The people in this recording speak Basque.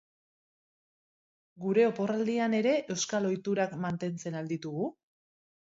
Gure oporraldian ere euskal ohiturak mantentzen al ditugu?